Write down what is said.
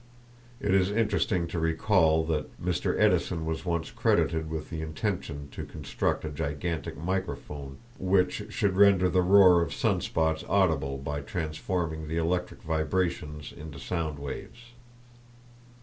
(It is interesting to recall that Mr Edison was once credited with the intention to construct a gigantic microphone which should render the roar of sun spots audible by transforming the electric vibrations into sound waves).